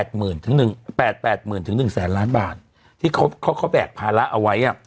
๘หมื่นถึง๑แสนล้านบาทที่เขาแบกภาระเอาไว้